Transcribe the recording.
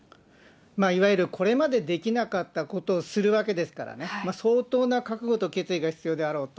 いわゆるこれまでできなかったことをするわけですからね、相当な覚悟と決意が必要であろうと。